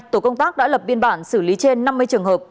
tổ công tác đã lập biên bản xử lý trên năm mươi trường hợp